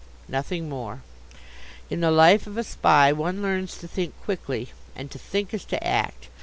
Nothing more. In the life of a Spy one learns to think quickly, and to think is to act.